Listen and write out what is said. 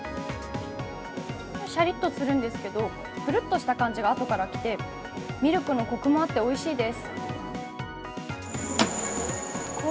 シャリッとするんですけど、ぷるっとした感じがあとからきてミルクのコクがあっておいしいです。